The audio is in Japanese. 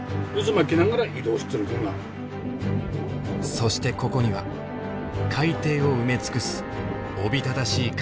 そしてここには海底を埋め尽くすおびただしい数の貝。